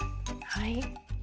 はい。